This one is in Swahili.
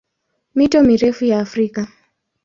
Mito mirefu ya Afrika